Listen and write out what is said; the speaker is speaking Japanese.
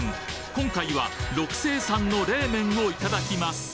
今回は六盛さんの冷麺をいただきます！